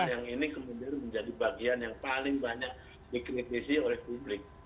yang ini kemudian menjadi bagian yang paling banyak dikritisi oleh publik